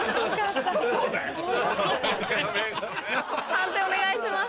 判定お願いします。